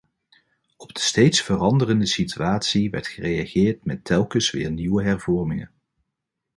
Op de steeds veranderende situatie werd gereageerd met telkens weer nieuwe hervormingen.